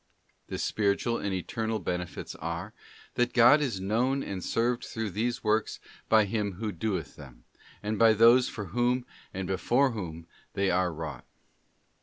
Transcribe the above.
The Spiritual and Eternal benefits are, that God is known and served through these works by him who doeth them, and by those for whom and before whom they are wrought.